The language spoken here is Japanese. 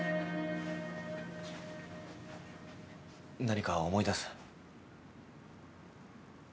何か思い出す？